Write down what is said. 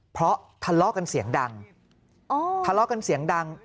เพราะทะเลาะกันเสียงดังทะเลาะกันเสียงดัง